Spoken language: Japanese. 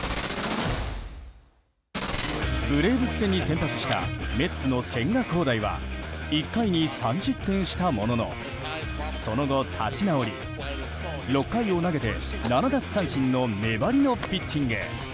ブレーブス戦に先発したメッツの千賀滉大は１回に３失点したもののその後、立ち直り６回を投げて７奪三振の粘りのピッチング。